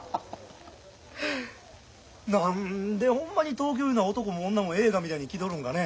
何でホンマに東京いうのは男も女も映画みたいに気取るんかね。